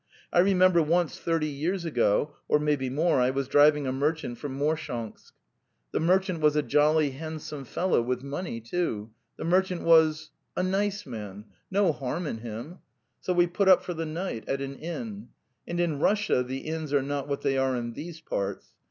I remember once thirty years ago, or maybe more, I was driving a merchant from Morshansk. 248 The Tales of Chekhov The merchant was a jolly handsome fellow, with money, \too|.).. the; merchant. was). (al) mice man, no harm in him. ... So we put up for the night ataninn. And in Russia the inns are not what they are in these parts.